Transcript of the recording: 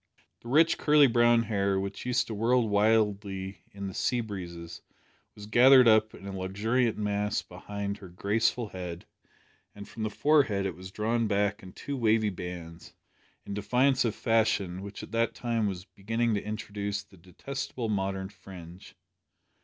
The rich curly brown hair, which used to whirl wildly in the sea breezes, was gathered up in a luxuriant mass behind her graceful head, and from the forehead it was drawn back in two wavy bands, in defiance of fashion, which at that time was beginning to introduce the detestable modern fringe.